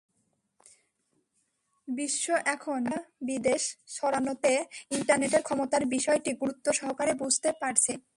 বিশ্ব এখন মিথ্যা বিদ্বেষ ছড়ানোতে ইন্টারনেটের ক্ষমতার বিষয়টি গুরুত্বসহকারে বুঝতে পারছে।